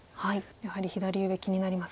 やはり左上気になりますか。